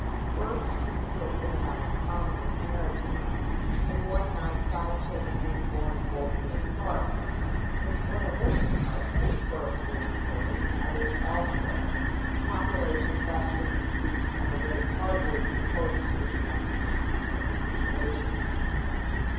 Births seem to have been about as common as marriages, in one night five children being born in Golden Gate Park. In Buena Vista Park eight births were recorded and others elsewhere, the population being thus increased at a rate hardly in accordance with the exigencies of the situation.